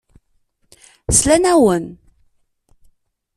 Slan-awen.